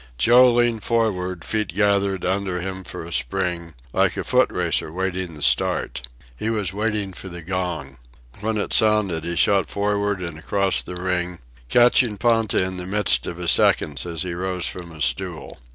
Joe leaned forward, feet gathered under him for a spring, like a foot racer waiting the start. He was waiting for the gong. When it sounded he shot forward and across the ring, catching Ponta in the midst of his seconds as he rose from his stool.